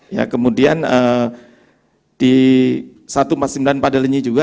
ya kemudian di satu ratus empat puluh sembilan pada lenyi juga